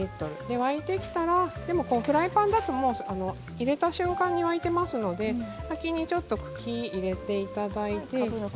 沸いてきたら、フライパンだと入れた瞬間に沸いていますので先にちょっと茎を入れていただいて。